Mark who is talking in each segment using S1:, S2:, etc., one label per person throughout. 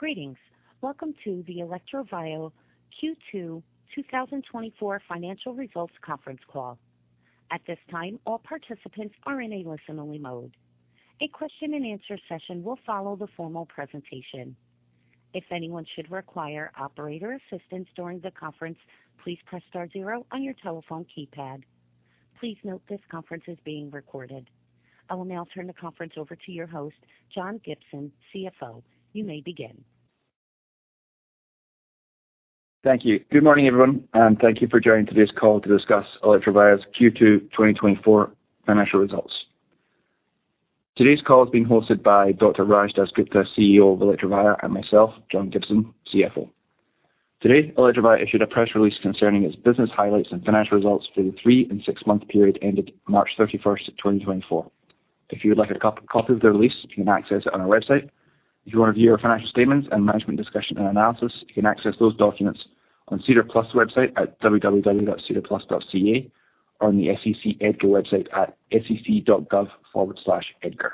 S1: Greetings. Welcome to the Electrovaya Q2 2024 financial results conference call. At this time, all participants are in a listen-only mode. A question-and-answer session will follow the formal presentation. If anyone should require operator assistance during the conference, please press star zero on your telephone keypad. Please note this conference is being recorded. I will now turn the conference over to your host, John Gibson, CFO. You may begin.
S2: Thank you. Good morning, everyone, and thank you for joining today's call to discuss Electrovaya's Q2 2024 financial results. Today's call is being hosted by Dr. Rajshekar DasGupta, CEO of Electrovaya, and myself, John Gibson, CFO. Today, Electrovaya issued a press release concerning its business highlights and financial results for the three-and-six-month period ended March 31st, 2024. If you would like a copy of the release, you can access it on our website. If you want to view our financial statements and management discussion and analysis, you can access those documents on SEDAR+ website at www.sedarplus.ca or on the SEC EDGAR website at sec.gov/edgar.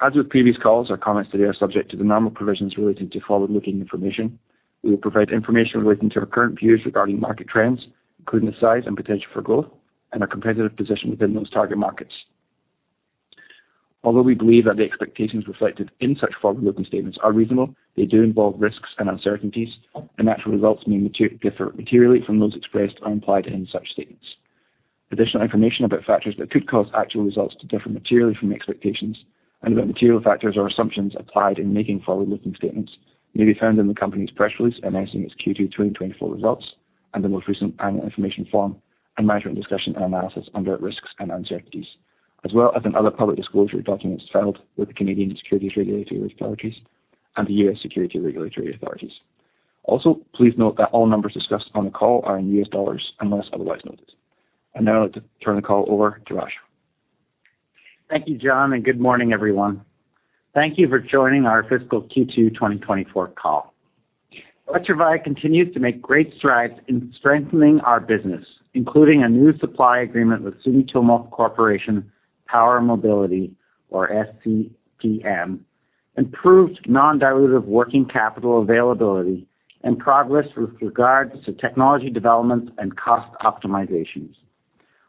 S2: As with previous calls, our comments today are subject to the normal provisions relating to forward-looking information. We will provide information relating to our current views regarding market trends, including the size and potential for growth, and our competitive position within those target markets. Although we believe that the expectations reflected in such forward-looking statements are reasonable, they do involve risks and uncertainties, and actual results may differ materially from those expressed or implied in such statements. Additional information about factors that could cause actual results to differ materially from expectations and about material factors or assumptions applied in making forward-looking statements may be found in the company's press release announcing its Q2 2024 results and the most recent annual information form and management discussion and analysis under risks and uncertainties, as well as in other public disclosure documents filed with the Canadian Securities Regulatory Authorities and the U.S. Securities and Exchange Commission. Also, please note that all numbers discussed on the call are in U.S. dollars unless otherwise noted. I now like to turn the call over to Raj.
S3: Thank you, John, and good morning, everyone. Thank you for joining our fiscal Q2 2024 call. Electrovaya continues to make great strides in strengthening our business, including a new supply agreement with Sumitomo Corporation Power & Mobility, or SCPM, improved non-dilutive working capital availability, and progress with regards to technology developments and cost optimizations.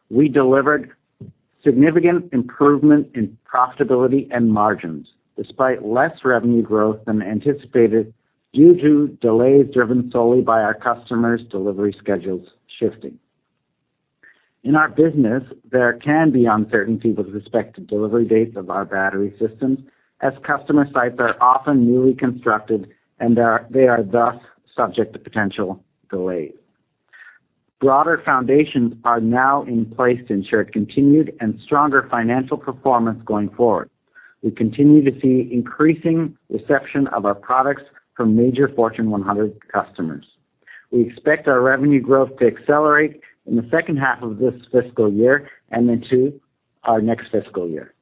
S3: We delivered significant improvement in profitability and margins despite less revenue growth than anticipated due to delays driven solely by our customers' delivery schedules shifting. In our business, there can be uncertainty with respect to delivery dates of our battery systems as customer sites are often newly constructed, and they are thus subject to potential delays. Broader foundations are now in place to ensure continued and stronger financial performance going forward. We continue to see increasing reception of our products from major Fortune 100 customers. We expect our revenue growth to accelerate in the second half of this fiscal year and into our next fiscal year.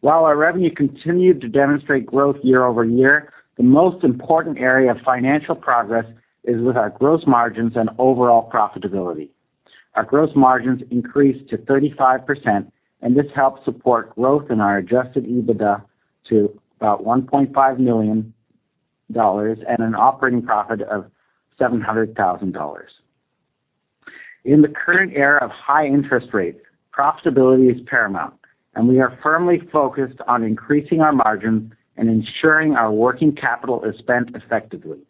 S3: While our revenue continued to demonstrate growth year-over-year, the most important area of financial progress is with our gross margins and overall profitability. Our gross margins increased to 35%, and this helped support growth in our adjusted EBITDA to about $1.5 million and an operating profit of $700,000. In the current era of high interest rates, profitability is paramount, and we are firmly focused on increasing our margins and ensuring our working capital is spent effectively.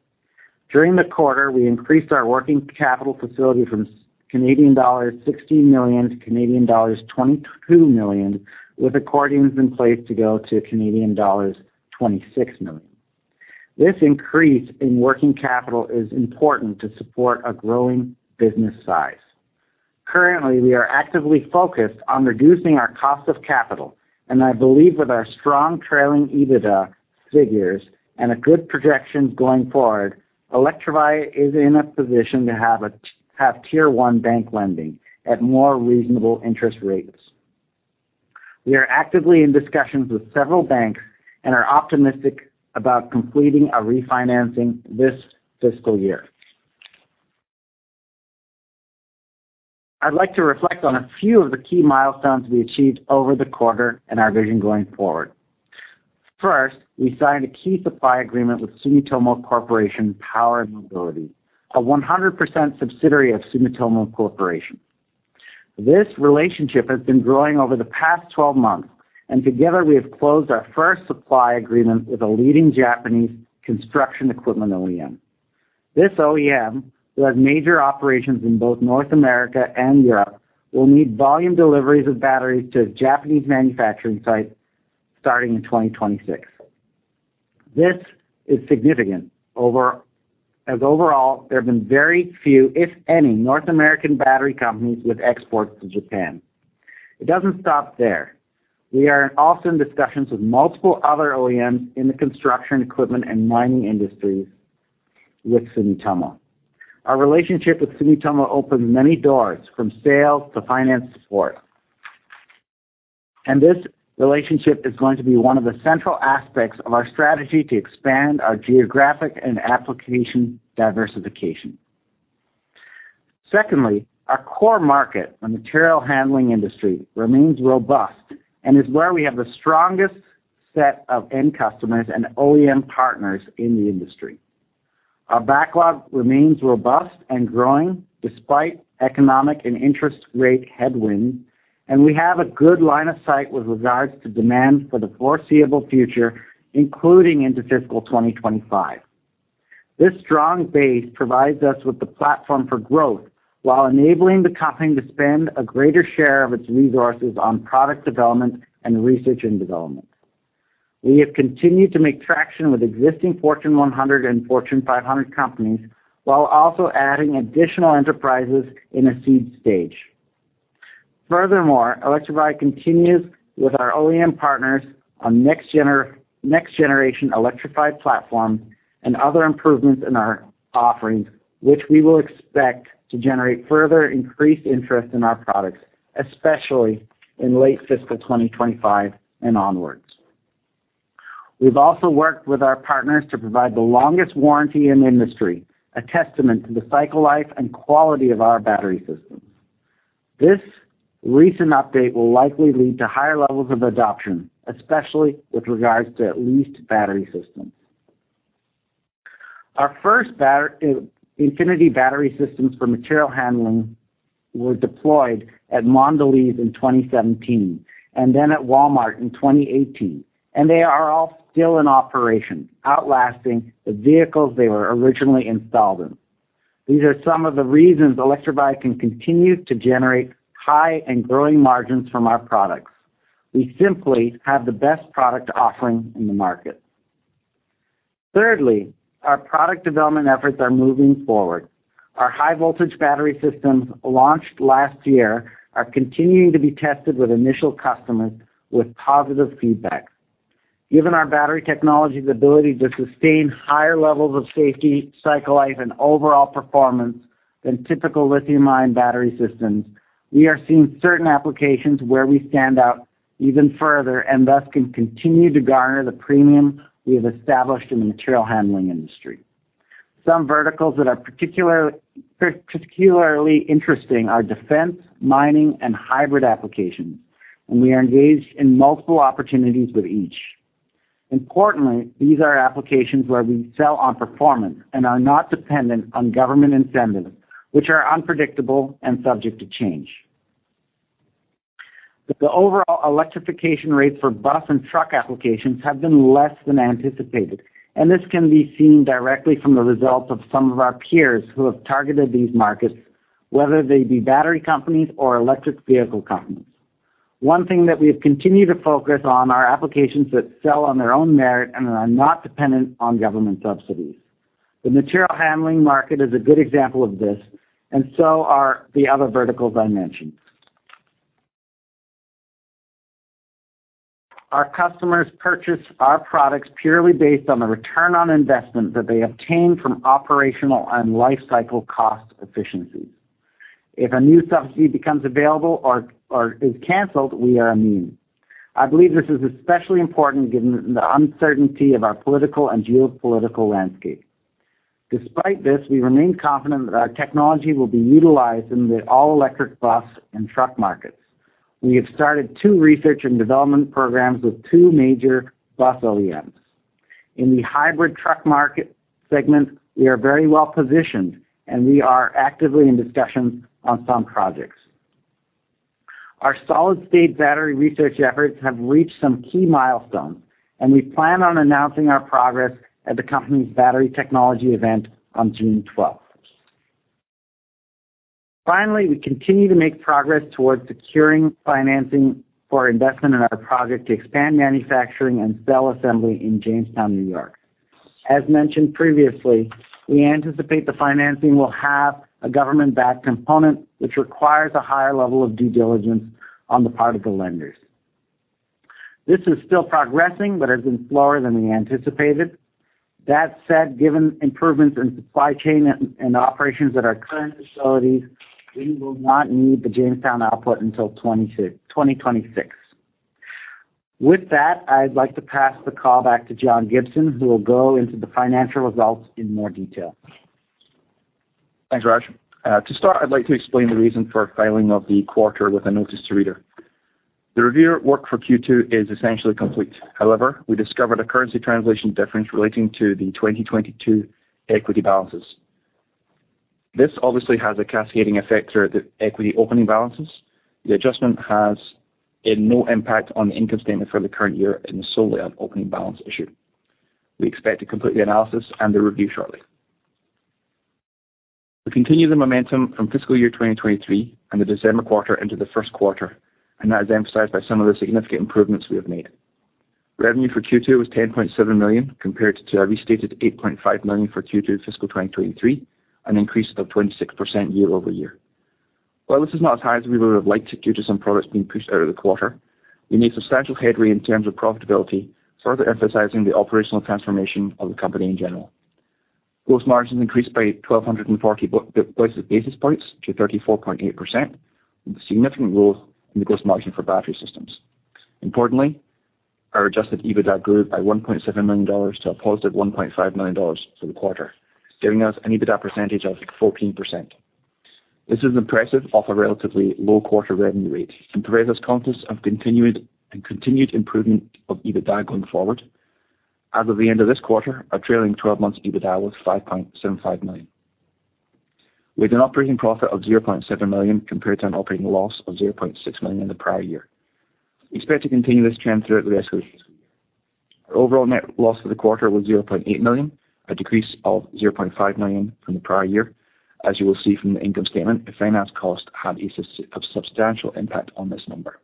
S3: During the quarter, we increased our working capital facility from 16 million-22 million Canadian dollars with accordions in place to go to Canadian dollars 26 million. This increase in working capital is important to support a growing business size. Currently, we are actively focused on reducing our cost of capital, and I believe with our strong trailing EBITDA figures and good projections going forward, Electrovaya is in a position to have tier one bank lending at more reasonable interest rates. We are actively in discussions with several banks and are optimistic about completing a refinancing this fiscal year. I'd like to reflect on a few of the key milestones we achieved over the quarter and our vision going forward. First, we signed a key supply agreement with Sumitomo Corporation Power & Mobility, a 100% subsidiary of Sumitomo Corporation. This relationship has been growing over the past 12 months, and together we have closed our first supply agreement with a leading Japanese construction equipment OEM. This OEM, who has major operations in both North America and Europe, will need volume deliveries of batteries to its Japanese manufacturing site starting in 2026. This is significant as overall there have been very few, if any, North American battery companies with exports to Japan. It doesn't stop there. We are also in discussions with multiple other OEMs in the construction equipment and mining industries with Sumitomo. Our relationship with Sumitomo opens many doors from sales to finance support, and this relationship is going to be one of the central aspects of our strategy to expand our geographic and application diversification. Secondly, our core market, the material handling industry, remains robust and is where we have the strongest set of end customers and OEM partners in the industry. Our backlog remains robust and growing despite economic and interest rate headwinds, and we have a good line of sight with regards to demand for the foreseeable future, including into fiscal 2025. This strong base provides us with the platform for growth while enabling the company to spend a greater share of its resources on product development and research and development. We have continued to make traction with existing Fortune 100 and Fortune 500 companies while also adding additional enterprises in a seed stage. Furthermore, Electrovaya continues with our OEM partners on next-generation electrified platforms and other improvements in our offerings, which we will expect to generate further increased interest in our products, especially in late fiscal 2025 and onwards. We've also worked with our partners to provide the longest warranty in the industry, a testament to the cycle life and quality of our battery systems. This recent update will likely lead to higher levels of adoption, especially with regards to leased battery systems. Our first Infinity battery systems for material handling were deployed at Mondelēz in 2017 and then at Walmart in 2018, and they are all still in operation, outlasting the vehicles they were originally installed in. These are some of the reasons Electrovaya can continue to generate high and growing margins from our products. We simply have the best product offering in the market. Thirdly, our product development efforts are moving forward. Our high-voltage battery systems launched last year are continuing to be tested with initial customers with positive feedback. Given our battery technology's ability to sustain higher levels of safety, cycle life, and overall performance than typical lithium-ion battery systems, we are seeing certain applications where we stand out even further and thus can continue to garner the premium we have established in the material handling industry. Some verticals that are particularly interesting are defense, mining, and hybrid applications, and we are engaged in multiple opportunities with each. Importantly, these are applications where we sell on performance and are not dependent on government incentives, which are unpredictable and subject to change. The overall electrification rates for bus and truck applications have been less than anticipated, and this can be seen directly from the results of some of our peers who have targeted these markets, whether they be battery companies or electric vehicle companies. One thing that we have continued to focus on are applications that sell on their own merit and are not dependent on government subsidies. The material handling market is a good example of this, and so are the other verticals I mentioned. Our customers purchase our products purely based on the return on investment that they obtain from operational and lifecycle cost efficiencies. If a new subsidy becomes available or is canceled, we are immune. I believe this is especially important given the uncertainty of our political and geopolitical landscape. Despite this, we remain confident that our technology will be utilized in the all-electric bus and truck markets. We have started two research and development programs with two major bus OEMs. In the hybrid truck market segment, we are very well positioned, and we are actively in discussions on some projects. Our solid-state battery research efforts have reached some key milestones, and we plan on announcing our progress at the company's battery technology event on June 12th. Finally, we continue to make progress towards securing financing for investment in our project to expand manufacturing and cell assembly in Jamestown, New York. As mentioned previously, we anticipate the financing will have a government-backed component, which requires a higher level of due diligence on the part of the lenders. This is still progressing but has been slower than we anticipated. That said, given improvements in supply chain and operations at our current facilities, we will not need the Jamestown output until 2026. With that, I'd like to pass the call back to John Gibson, who will go into the financial results in more detail.
S2: Thanks, Raj. To start, I'd like to explain the reason for filing of the quarter with a Notice to Reader. The review work for Q2 is essentially complete. However, we discovered a currency translation difference relating to the 2022 equity balances. This obviously has a cascading effect through the equity opening balances. The adjustment has no impact on the income statement for the current year and is solely on opening balance issue. We expect to complete the analysis and the review shortly. We continue the momentum from fiscal year 2023 and the December quarter into the first quarter, and that is emphasized by some of the significant improvements we have made. Revenue for Q2 was $10.7 million compared to a restated $8.5 million for Q2 fiscal 2023, an increase of 26% year-over-year. While this is not as high as we would have liked due to some products being pushed out of the quarter, we made substantial headway in terms of profitability, further emphasizing the operational transformation of the company in general. Gross margins increased by 1,240 basis points to 34.8%, with a significant growth in the gross margin for battery systems. Importantly, our adjusted EBITDA grew by $1.7 million to a +$1.5 million for the quarter, giving us an EBITDA percentage of 14%. This is impressive off a relatively low quarter revenue rate. Gives us confidence of continued improvement of EBITDA going forward. As of the end of this quarter, our trailing 12-month EBITDA was $5.75 million. We had an operating profit of $0.7 million compared to an operating loss of $0.6 million in the prior year. Expect to continue this trend throughout the rest of the fiscal year. Our overall net loss for the quarter was $0.8 million, a decrease of $0.5 million from the prior year, as you will see from the income statement. If finance costs had a substantial impact on this number.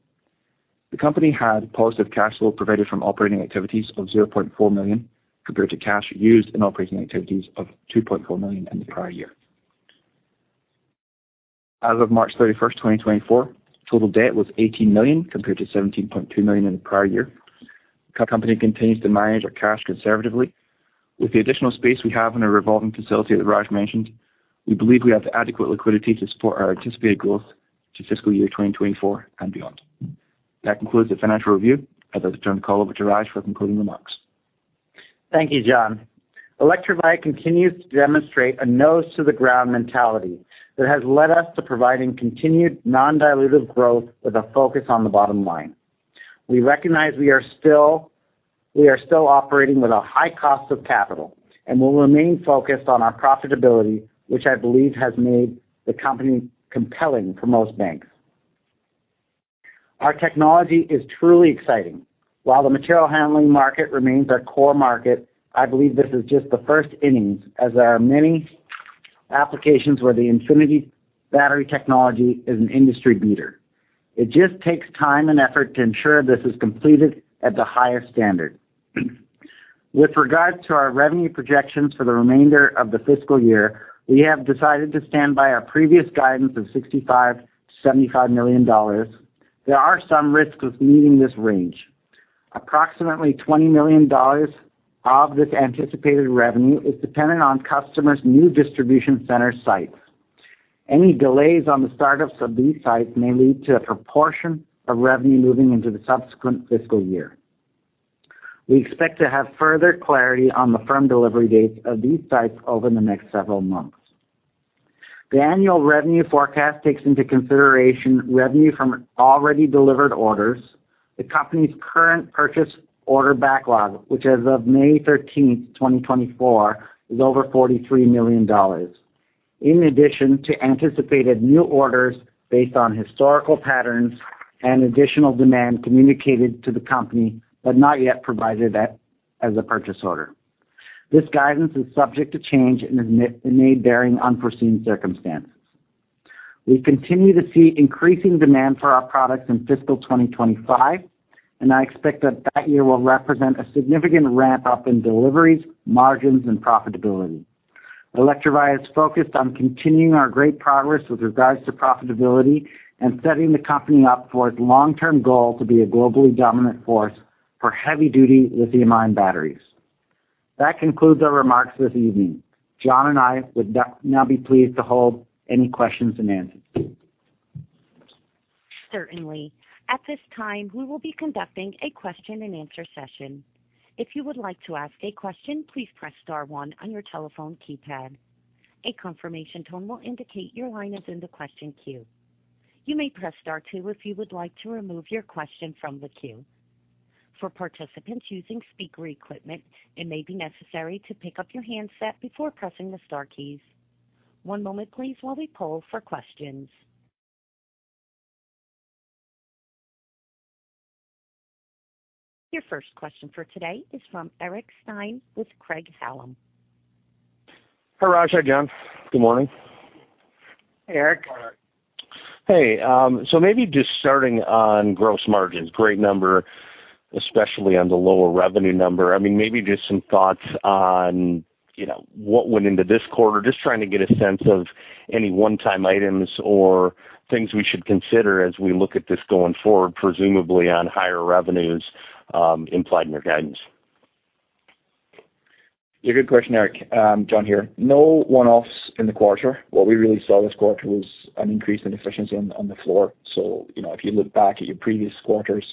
S2: The company had positive cash flow provided from operating activities of $0.4 million compared to cash used in operating activities of $2.4 million in the prior year. As of March 31st, 2024, total debt was $18 million compared to $17.2 million in the prior year. The company continues to manage our cash conservatively. With the additional space we have in a revolving facility that Raj mentioned, we believe we have adequate liquidity to support our anticipated growth to fiscal year 2024 and beyond. That concludes the financial review. I'd like to turn the call over to Raj for concluding remarks.
S3: Thank you, John. Electrovaya continues to demonstrate a nose-to-the-ground mentality that has led us to providing continued non-dilutive growth with a focus on the bottom line. We recognize we are still operating with a high cost of capital and will remain focused on our profitability, which I believe has made the company compelling for most banks. Our technology is truly exciting. While the material handling market remains our core market, I believe this is just the first innings as there are many applications where the Infinity battery technology is an industry beater. It just takes time and effort to ensure this is completed at the highest standard. With regards to our revenue projections for the remainder of the fiscal year, we have decided to stand by our previous guidance of $65 million-$75 million. There are some risks with meeting this range. Approximately $20 million of this anticipated revenue is dependent on customers' new distribution center sites. Any delays on the startups of these sites may lead to a proportion of revenue moving into the subsequent fiscal year. We expect to have further clarity on the firm delivery dates of these sites over the next several months. The annual revenue forecast takes into consideration revenue from already delivered orders, the company's current purchase order backlog, which as of May 13th, 2024, is over $43 million, in addition to anticipated new orders based on historical patterns and additional demand communicated to the company but not yet provided as a purchase order. This guidance is subject to change and is made bearing unforeseen circumstances. We continue to see increasing demand for our products in fiscal 2025, and I expect that that year will represent a significant ramp-up in deliveries, margins, and profitability. Electrovaya is focused on continuing our great progress with regards to profitability and setting the company up for its long-term goal to be a globally dominant force for heavy-duty lithium-ion batteries. That concludes our remarks this evening. John and I would now be pleased to hold any questions and answers.
S1: Certainly. At this time, we will be conducting a question-and-answer session. If you would like to ask a question, please press star one on your telephone keypad. A confirmation tone will indicate your line is in the question queue. You may press star two if you would like to remove your question from the queue. For participants using speaker equipment, it may be necessary to pick up your handset before pressing the star keys. One moment, please, while we pull for questions. Your first question for today is from Eric Stine with Craig-Hallum.
S4: Hi, Raj. John, good morning.
S3: Eric.
S4: Hey. So maybe just starting on gross margins, great number, especially on the lower revenue number. I mean, maybe just some thoughts on what went into this quarter, just trying to get a sense of any one-time items or things we should consider as we look at this going forward, presumably on higher revenues implied in your guidance.
S2: Yeah, good question, Eric. John here. No one-offs in the quarter. What we really saw this quarter was an increase in efficiency on the floor. So if you look back at your previous quarters,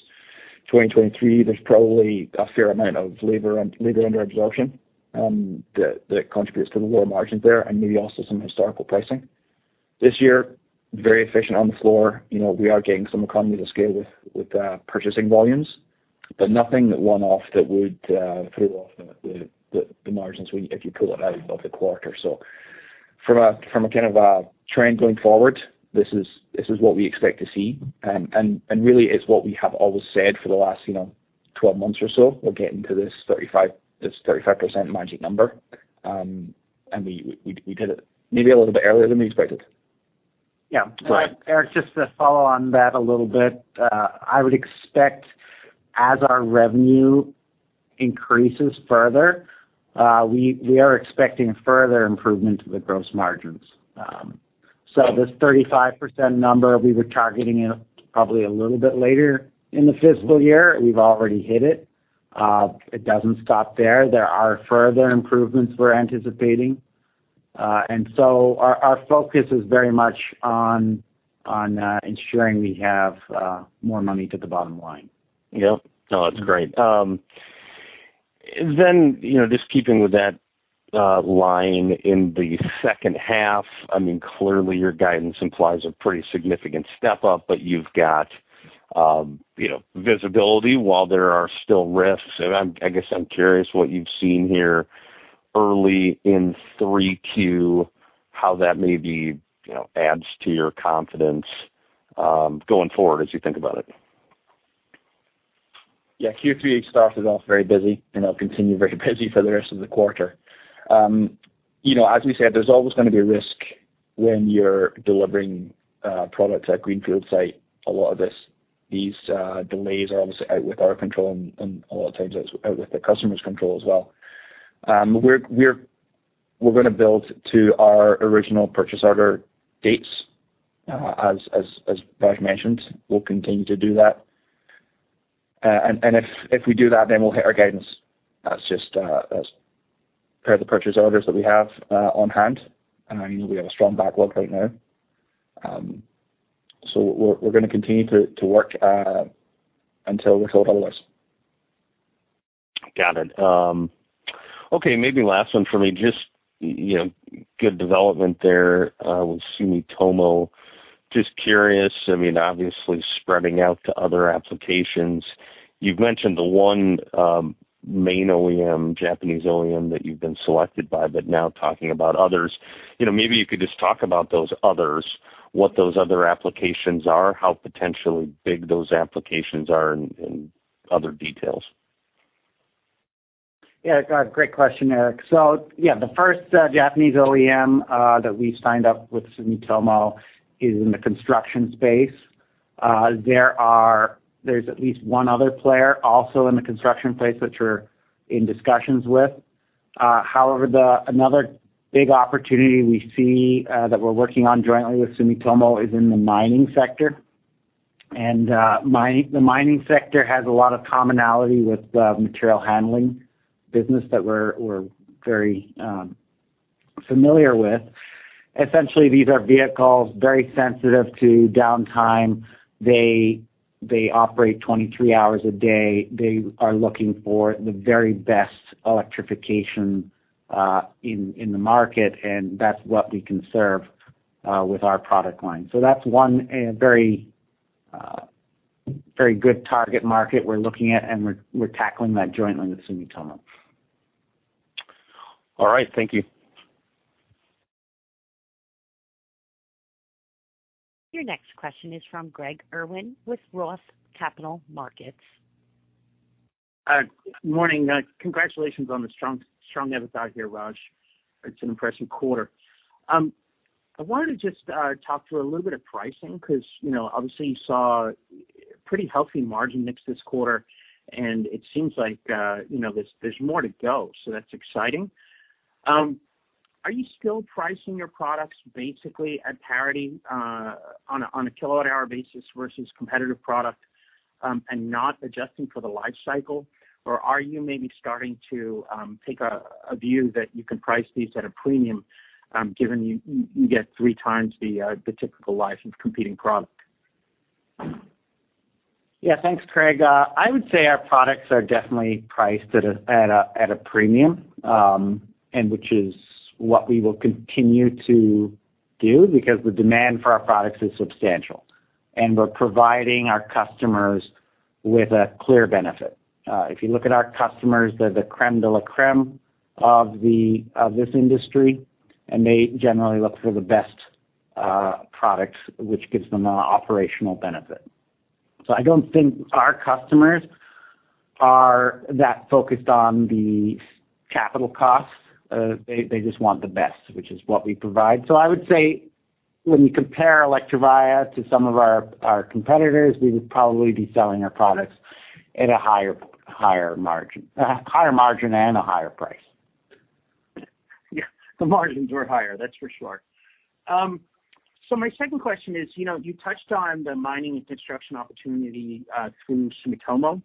S2: 2023, there's probably a fair amount of labor under absorption that contributes to the lower margins there and maybe also some historical pricing. This year, very efficient on the floor. We are getting some economies of scale with purchasing volumes but nothing one-off that would throw off the margins if you pull it out of the quarter. So from a kind of a trend going forward, this is what we expect to see. And really, it's what we have always said for the last 12 months or so. We're getting to this 35% magic number, and we did it maybe a little bit earlier than we expected.
S3: Yeah. Eric, just to follow on that a little bit, I would expect as our revenue increases further, we are expecting further improvement with gross margins. So this 35% number, we were targeting it probably a little bit later in the fiscal year. We've already hit it. It doesn't stop there. There are further improvements we're anticipating. And so our focus is very much on ensuring we have more money to the bottom line.
S4: Yep. No, that's great. Then just keeping with that line in the second half, I mean, clearly, your guidance implies a pretty significant step up, but you've got visibility while there are still risks. And I guess I'm curious what you've seen here early in 3Q, how that maybe adds to your confidence going forward as you think about it.
S2: Yeah. Q3 started off very busy and it'll continue very busy for the rest of the quarter. As we said, there's always going to be a risk when you're delivering products at a Greenfield site. A lot of these delays are obviously out of our control and a lot of times out of the customer's control as well. We're going to build to our original purchase order dates, as Raj mentioned. We'll continue to do that. If we do that, then we'll hit our guidance. That's just a part of the purchase orders that we have on hand. We have a strong backlog right now. We're going to continue to work until we're told otherwise.
S4: Got it. Okay. Maybe last one for me. Just good development there. We'll see Sumitomo. Just curious. I mean, obviously, spreading out to other applications. You've mentioned the one main OEM, Japanese OEM, that you've been selected by but now talking about others. Maybe you could just talk about those others, what those other applications are, how potentially big those applications are, and other details.
S3: Yeah. Great question, Eric. So yeah, the first Japanese OEM that we signed up with Sumitomo is in the construction space. There's at least one other player also in the construction space that you're in discussions with. However, another big opportunity we see that we're working on jointly with Sumitomo is in the mining sector. And the mining sector has a lot of commonality with the material handling business that we're very familiar with. Essentially, these are vehicles very sensitive to downtime. They operate 23 hours a day. They are looking for the very best electrification in the market, and that's what we can serve with our product line. So that's one very good target market we're looking at, and we're tackling that jointly with Sumitomo.
S4: All right. Thank you.
S1: Your next question is from Craig Irwin with Roth Capital Markets.
S5: Good morning. Congratulations on the strong EBITDA here, Raj. It's an impressive quarter. I wanted to just talk to a little bit of pricing because obviously, you saw a pretty healthy margin mix this quarter, and it seems like there's more to go. So that's exciting. Are you still pricing your products basically at parity on a kilowatt-hour basis versus competitive product and not adjusting for the lifecycle, or are you maybe starting to take a view that you can price these at a premium given you get three times the typical life of competing product?
S3: Yeah. Thanks, Craig. I would say our products are definitely priced at a premium, which is what we will continue to do because the demand for our products is substantial, and we're providing our customers with a clear benefit. If you look at our customers, they're the crème de la crème of this industry, and they generally look for the best product, which gives them an operational benefit. So I don't think our customers are that focused on the capital costs. They just want the best, which is what we provide. So I would say when you compare Electrovaya to some of our competitors, we would probably be selling our products at a higher margin and a higher price.
S5: Yeah. The margins were higher. That's for sure. So my second question is you touched on the mining and construction opportunity through Sumitomo,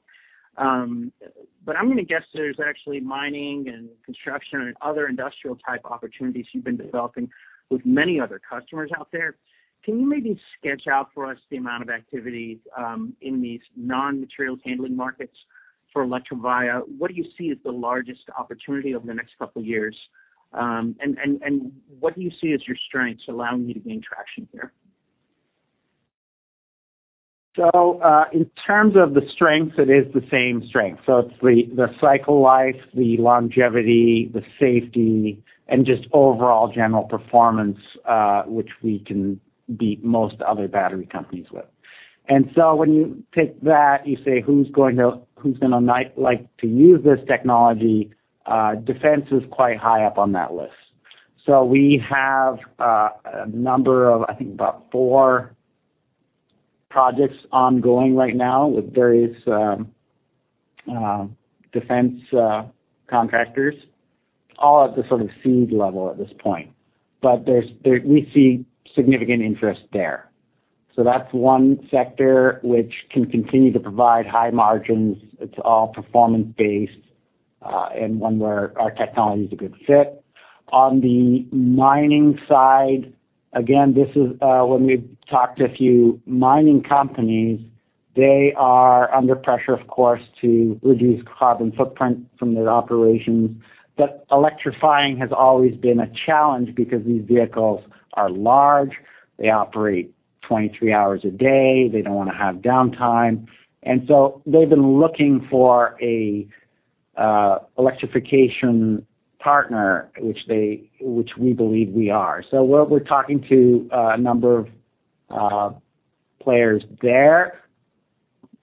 S5: but I'm going to guess there's actually mining and construction and other industrial-type opportunities you've been developing with many other customers out there. Can you maybe sketch out for us the amount of activity in these non-materials handling markets for Electrovaya? What do you see as the largest opportunity over the next couple of years, and what do you see as your strengths allowing you to gain traction here?
S3: So in terms of the strengths, it is the same strength. So it's the cycle life, the longevity, the safety, and just overall general performance, which we can beat most other battery companies with. And so when you take that, you say, "Who's going to like to use this technology?" Defense is quite high up on that list. So we have a number of, I think, about four projects ongoing right now with various defense contractors, all at the sort of seed level at this point. But we see significant interest there. So that's one sector which can continue to provide high margins. It's all performance-based and one where our technology is a good fit. On the mining side, again, this is when we've talked to a few mining companies, they are under pressure, of course, to reduce carbon footprint from their operations. But electrifying has always been a challenge because these vehicles are large. They operate 23 hours a day. They don't want to have downtime. And so they've been looking for an electrification partner, which we believe we are. So we're talking to a number of players there.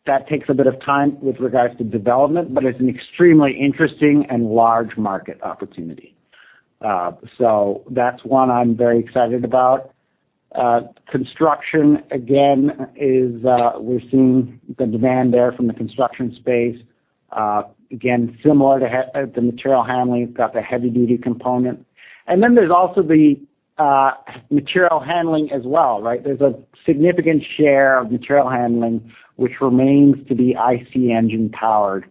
S3: That takes a bit of time with regards to development, but it's an extremely interesting and large market opportunity. So that's one I'm very excited about. Construction, again, we're seeing the demand there from the construction space, again, similar to the material handling. It's got the heavy-duty component. And then there's also the material handling as well, right? There's a significant share of material handling which remains to be IC engine-powered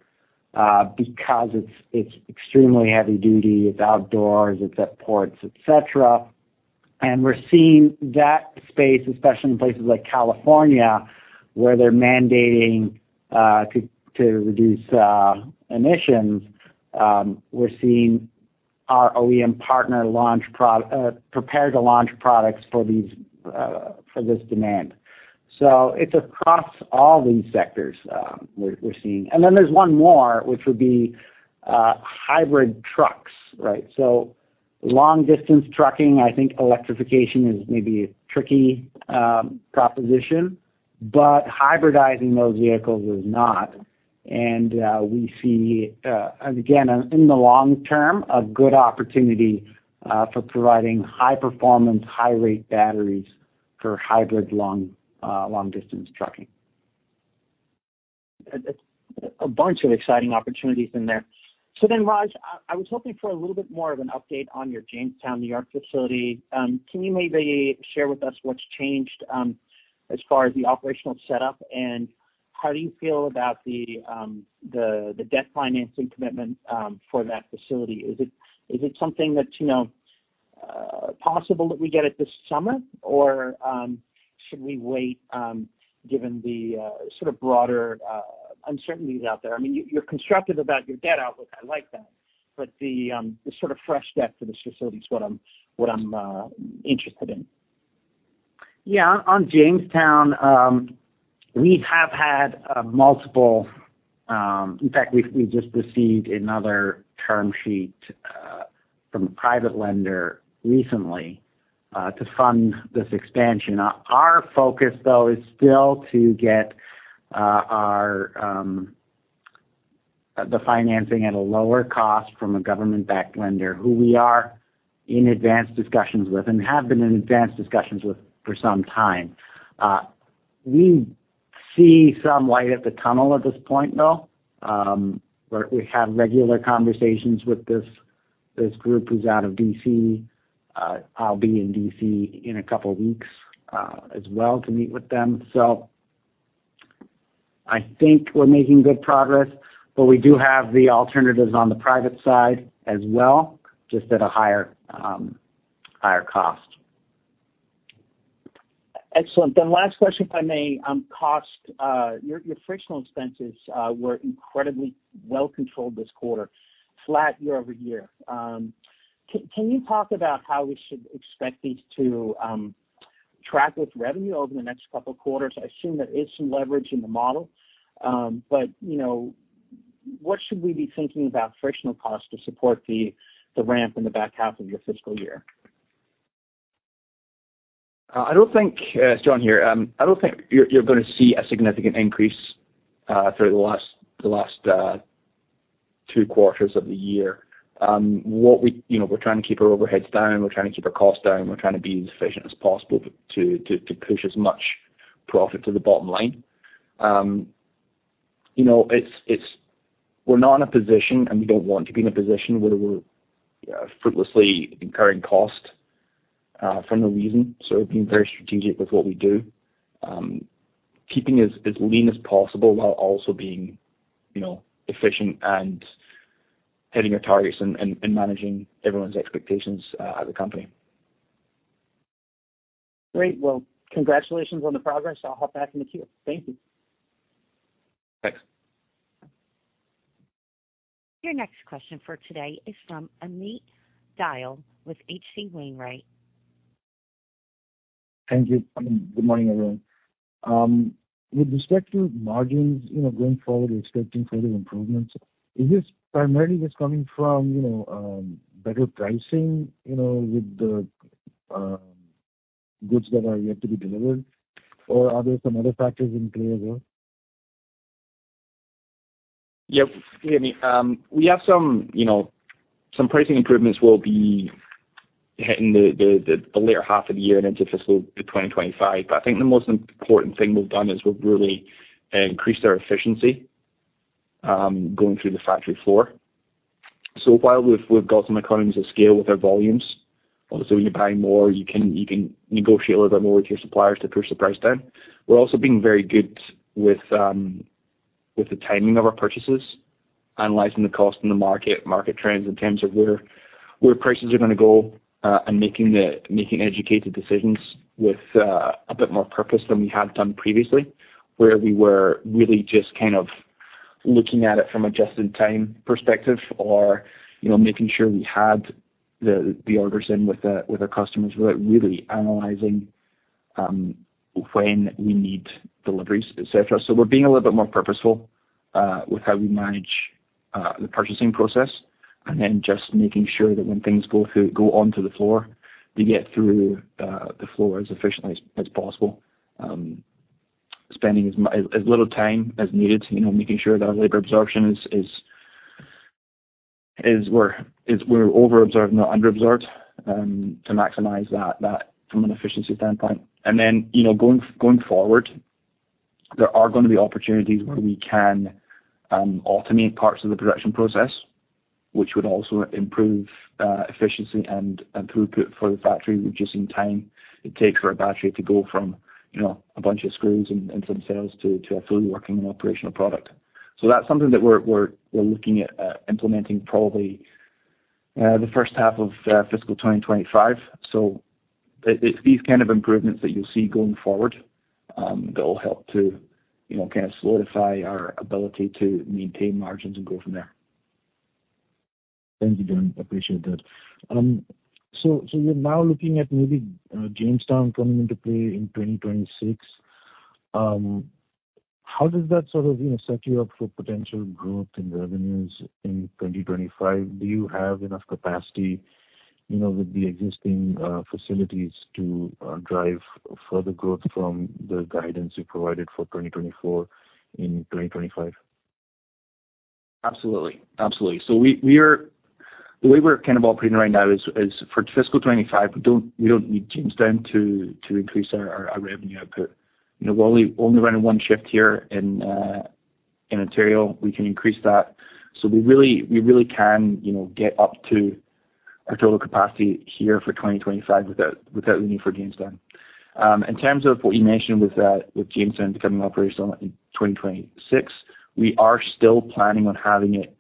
S3: because it's extremely heavy-duty. It's outdoors. It's at ports, etc. We're seeing that space, especially in places like California where they're mandating to reduce emissions. We're seeing our OEM partner prepare to launch products for this demand. It's across all these sectors we're seeing. Then there's one more, which would be hybrid trucks, right? Long-distance trucking, I think electrification is maybe a tricky proposition, but hybridizing those vehicles is not. We see, again, in the long term, a good opportunity for providing high-performance, high-rate batteries for hybrid long-distance trucking.
S5: A bunch of exciting opportunities in there. So then, Raj, I was hoping for a little bit more of an update on your Jamestown, New York facility. Can you maybe share with us what's changed as far as the operational setup, and how do you feel about the debt financing commitment for that facility? Is it something that's possible that we get it this summer, or should we wait given the sort of broader uncertainties out there? I mean, you're constructive about your debt outlook. I like that. But the sort of fresh debt for this facility is what I'm interested in.
S3: Yeah. On Jamestown, we have had multiple. In fact, we just received another term sheet from a private lender recently to fund this expansion. Our focus, though, is still to get the financing at a lower cost from a government-backed lender who we are in advanced discussions with and have been in advanced discussions with for some time. We see some light at the tunnel at this point, though. We have regular conversations with this group who's out of D.C. I'll be in D.C. in a couple of weeks as well to meet with them. So I think we're making good progress, but we do have the alternatives on the private side as well, just at a higher cost.
S5: Excellent. Last question, if I may. Your frictional expenses were incredibly well-controlled this quarter, flat year-over-year. Can you talk about how we should expect these to track with revenue over the next couple of quarters? I assume there is some leverage in the model, but what should we be thinking about frictional costs to support the ramp in the back half of your fiscal year?
S2: I don't think, John. Here, I don't think you're going to see a significant increase throughout the last two quarters of the year. We're trying to keep our overheads down. We're trying to keep our costs down. We're trying to be as efficient as possible to push as much profit to the bottom line. We're not in a position, and we don't want to be in a position where we're fruitlessly incurring cost for no reason. So we're being very strategic with what we do, keeping as lean as possible while also being efficient and hitting our targets and managing everyone's expectations as a company.
S5: Great. Well, congratulations on the progress. I'll hop back in the queue. Thank you.
S2: Thanks.
S1: Your next question for today is from Amit Dayal with H.C. Wainwright.
S6: Thank you. Good morning, everyone. With respect to margins going forward, expecting further improvements, is this primarily just coming from better pricing with the goods that are yet to be delivered, or are there some other factors in play as well?
S2: Yep. Hear me. We have some pricing improvements will be hitting the later half of the year and into fiscal 2025. But I think the most important thing we've done is we've really increased our efficiency going through the factory floor. So while we've got some economies of scale with our volumes, obviously, when you're buying more, you can negotiate a little bit more with your suppliers to push the price down. We're also being very good with the timing of our purchases, analyzing the cost in the market, market trends in terms of where prices are going to go, and making educated decisions with a bit more purpose than we had done previously, where we were really just kind of looking at it from a just-in-time perspective or making sure we had the orders in with our customers without really analyzing when we need deliveries, etc. So we're being a little bit more purposeful with how we manage the purchasing process and then just making sure that when things go onto the floor, they get through the floor as efficiently as possible, spending as little time as needed, making sure that our labor absorption is where we're over-absorbed and not under-absorbed to maximize that from an efficiency standpoint. And then going forward, there are going to be opportunities where we can automate parts of the production process, which would also improve efficiency and throughput for the factory, reducing time it takes for a battery to go from a bunch of screws and some cells to a fully working and operational product. So that's something that we're looking at implementing probably the first half of fiscal 2025. It's these kind of improvements that you'll see going forward that will help to kind of solidify our ability to maintain margins and go from there.
S6: Thank you, John. Appreciate that. So you're now looking at maybe Jamestown coming into play in 2026. How does that sort of set you up for potential growth and revenues in 2025? Do you have enough capacity with the existing facilities to drive further growth from the guidance you provided for 2024 in 2025?
S2: Absolutely. Absolutely. So the way we're kind of operating right now is for fiscal 2025, we don't need Jamestown to increase our revenue output. We're only running one shift here in Ontario. We can increase that. So we really can get up to our total capacity here for 2025 without the need for Jamestown. In terms of what you mentioned with Jamestown becoming operational in 2026, we are still planning on having it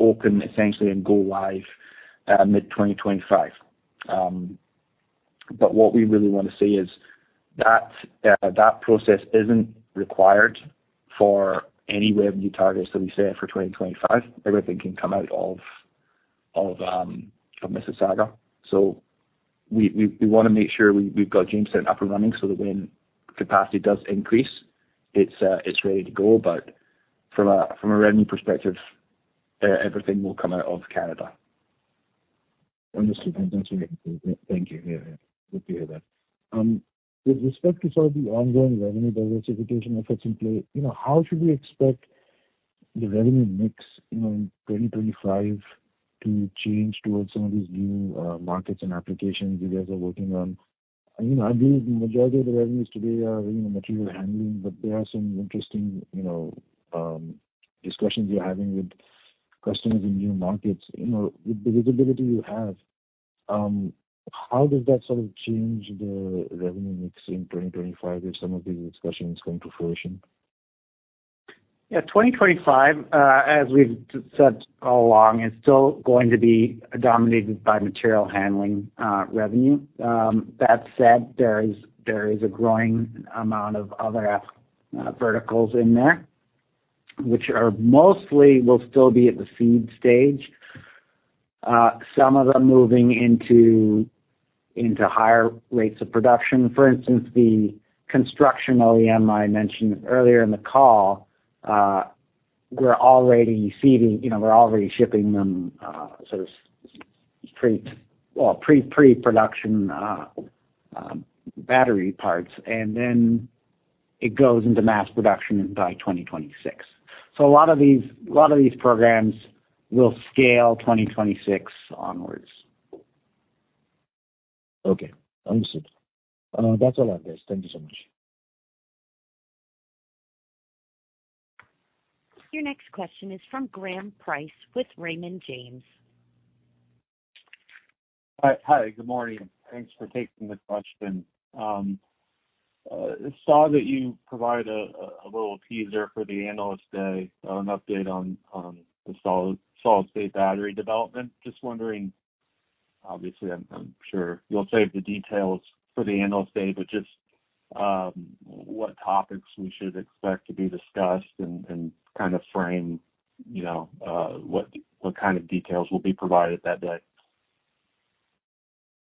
S2: open, essentially, and go live mid-2025. But what we really want to say is that process isn't required for any revenue targets that we set for 2025. Everything can come out of Mississauga. So we want to make sure we've got Jamestown up and running so that when capacity does increase, it's ready to go. But from a revenue perspective, everything will come out of Canada.
S6: Understood. That's right. Thank you. Yeah, yeah. Good to hear that. With respect to sort of the ongoing revenue diversification efforts in play, how should we expect the revenue mix in 2025 to change towards some of these new markets and applications you guys are working on? I believe the majority of the revenues today are material handling, but there are some interesting discussions you're having with customers in new markets. With the visibility you have, how does that sort of change the revenue mix in 2025 if some of these discussions come to fruition?
S3: Yeah. 2025, as we've said all along, is still going to be dominated by material handling revenue. That said, there is a growing amount of other verticals in there, which will still be at the seed stage, some of them moving into higher rates of production. For instance, the construction OEM I mentioned earlier in the call, we're already shipping them sort of pre-production battery parts, and then it goes into mass production by 2026. So a lot of these programs will scale 2026 onwards.
S6: Okay. Understood. That's all I've got. Thank you so much.
S1: Your next question is from Graham Price with Raymond James.
S7: Hi. Good morning. Thanks for taking this question. Saw that you provided a little teaser for the analyst day, an update on the solid-state battery development. Just wondering, obviously, I'm sure you'll save the details for the analyst day, but just what topics we should expect to be discussed and kind of frame what kind of details will be provided that day.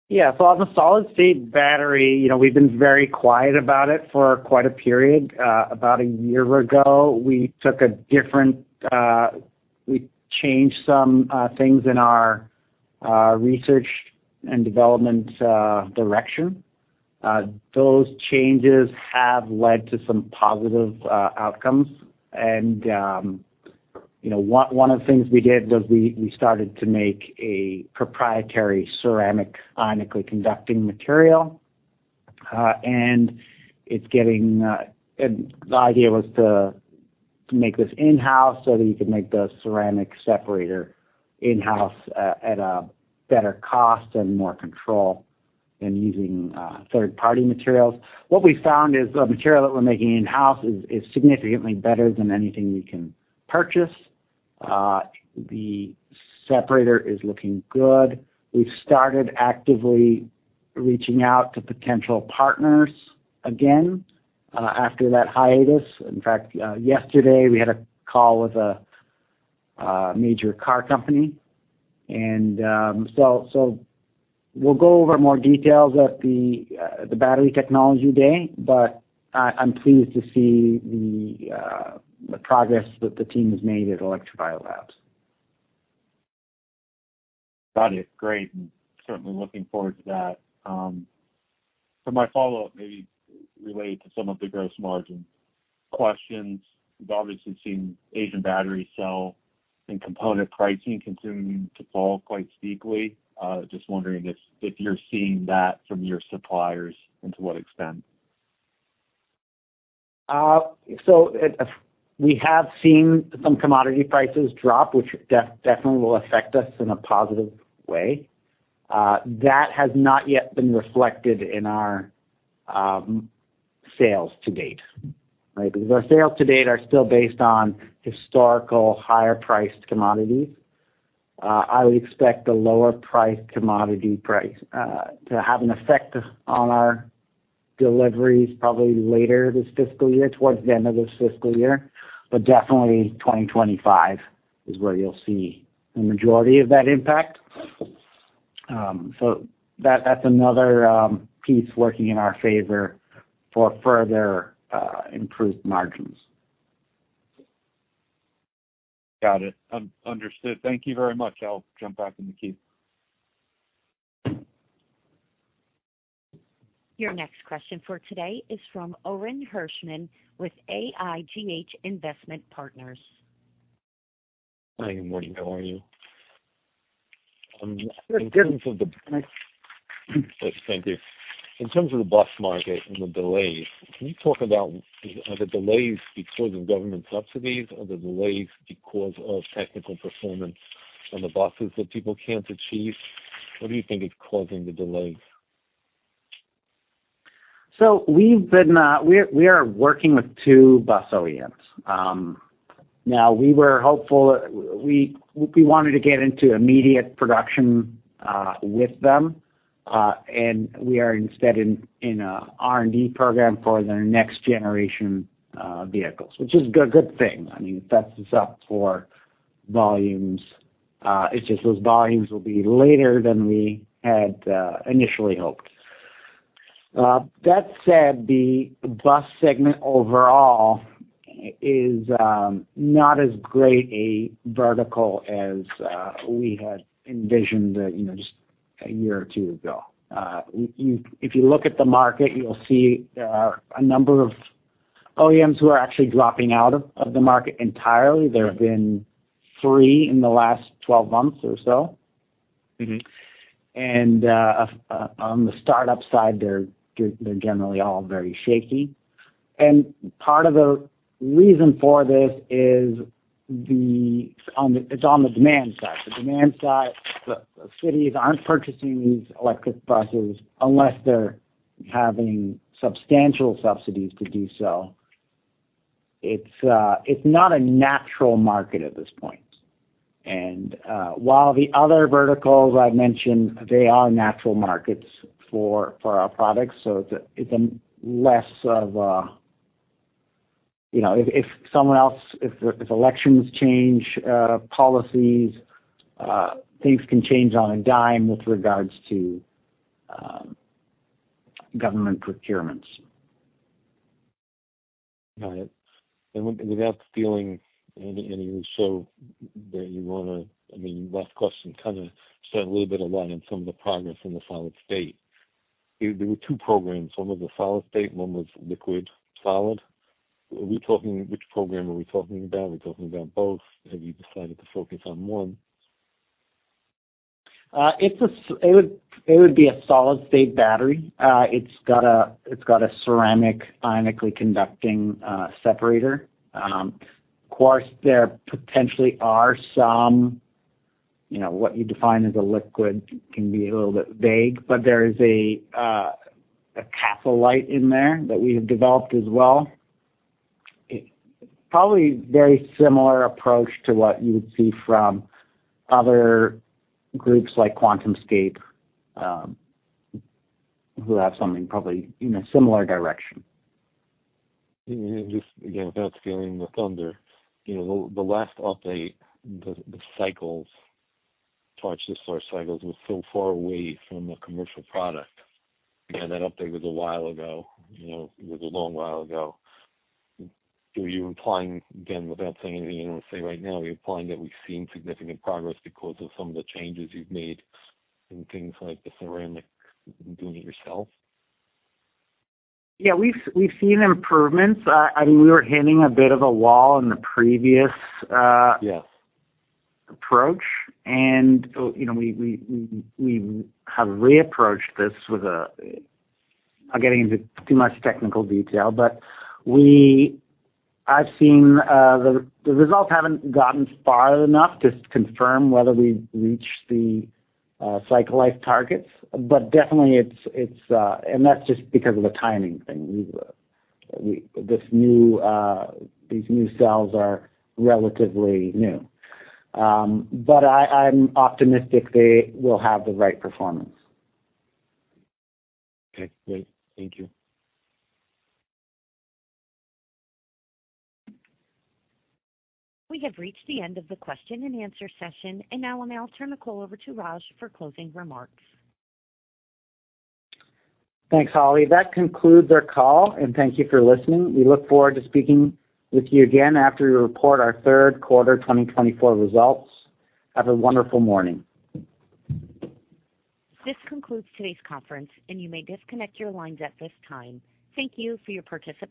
S3: Yeah. So on the solid-state battery, we've been very quiet about it for quite a period. About a year ago, we changed some things in our research and development direction. Those changes have led to some positive outcomes. One of the things we did was we started to make a proprietary ceramic ionically conducting material, and the idea was to make this in-house so that you could make the ceramic separator in-house at a better cost and more control than using third-party materials. What we found is the material that we're making in-house is significantly better than anything we can purchase. The separator is looking good. We've started actively reaching out to potential partners again after that hiatus. In fact, yesterday, we had a call with a major car company. And so we'll go over more details at the battery technology day, but I'm pleased to see the progress that the team has made at Electrovaya Labs.
S7: Got it. Great. Certainly looking forward to that. For my follow-up, maybe related to some of the gross margin questions, we've obviously seen Asian battery cell and component pricing continue to fall quite steeply. Just wondering if you're seeing that from your suppliers and to what extent?
S3: So we have seen some commodity prices drop, which definitely will affect us in a positive way. That has not yet been reflected in our sales to date, right, because our sales to date are still based on historical higher-priced commodities. I would expect the lower-priced commodity price to have an effect on our deliveries probably later this fiscal year, towards the end of this fiscal year. But definitely, 2025 is where you'll see the majority of that impact. So that's another piece working in our favor for further improved margins.
S7: Got it. Understood. Thank you very much. I'll jump back in the queue.
S1: Your next question for today is from Orin Hirschman with AIGH Investment Partners.
S8: Hi. Good morning. How are you?
S3: Good.
S8: In terms of the backlog. In terms of the bus market and the delays, can you talk about are the delays because of government subsidies? Are the delays because of technical performance on the buses that people can't achieve? What do you think is causing the delays?
S3: So we are working with two bus OEMs. Now, we were hopeful we wanted to get into immediate production with them, and we are instead in an R&D program for their next-generation vehicles, which is a good thing. I mean, it sets us up for volumes. It's just those volumes will be later than we had initially hoped. That said, the bus segment overall is not as great a vertical as we had envisioned just a year or two ago. If you look at the market, you'll see there are a number of OEMs who are actually dropping out of the market entirely. There have been three in the last 12 months or so. And on the startup side, they're generally all very shaky. And part of the reason for this is it's on the demand side. The demand side, the cities aren't purchasing these electric buses unless they're having substantial subsidies to do so. It's not a natural market at this point. While the other verticals I've mentioned, they are natural markets for our products, so it's less of a if someone else if elections change, policies, things can change on a dime with regards to government procurements.
S8: Got it. And without stealing any of the show that you want to, I mean, your last question kind of shed a little bit of light on some of the progress in the solid state. There were two programs. One was the solid state, and one was liquid solid. Which program are we talking about? Are we talking about both? Have you decided to focus on one?
S3: It would be a solid-state battery. It's got a ceramic ionically conducting separator. Of course, there potentially are some what you define as a liquid can be a little bit vague, but there is a catholyte in there that we have developed as well, probably a very similar approach to what you would see from other groups like QuantumScape who have something probably in a similar direction.
S8: And just again, without stealing the thunder, the last update, the cycles, charged discharge cycles, was so far away from a commercial product. Again, that update was a while ago. It was a long while ago. Are you implying again, without saying anything you don't want to say right now, are you implying that we've seen significant progress because of some of the changes you've made in things like the ceramic doing it yourself?
S3: Yeah. We've seen improvements. I mean, we were hitting a bit of a wall in the previous approach, and we have re-approached this with a not getting into too much technical detail, but I've seen the results haven't gotten far enough to confirm whether we've reached the cycle life targets. But definitely, it's, and that's just because of the timing thing. These new cells are relatively new, but I'm optimistic they will have the right performance.
S8: Okay. Great. Thank you.
S1: We have reached the end of the question-and-answer session, and now I'm going to turn the call over to Raj for closing remarks.
S3: Thanks, Holly. That concludes our call, and thank you for listening. We look forward to speaking with you again after we report our third quarter 2024 results. Have a wonderful morning.
S1: This concludes today's conference, and you may disconnect your lines at this time. Thank you for your participation.